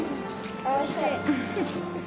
おいしい。